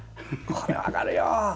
これ分かるよ。